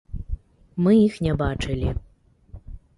Мы іх не бачылі.